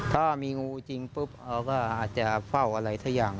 ถ้ามีงูจริงปุ๊บเราก็อาจจะเฝ้าอะไรสักอย่าง